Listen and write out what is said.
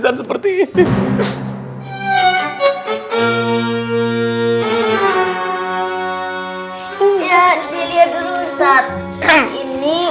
ustazah doyoi ada disini